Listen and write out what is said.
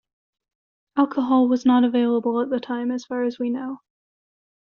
Alcohol was not available at the time as far as we know.